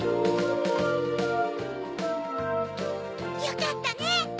よかったね！